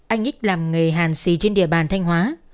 anh ích làm nghề hàn xì trên địa bàn thanh hóa